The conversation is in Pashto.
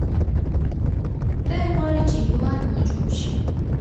دی غواړي چې هیواد مو جوړ شي.